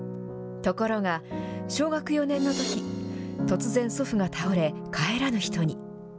ところが、小学４年のとき、突然祖父が倒れ、帰らぬ人に。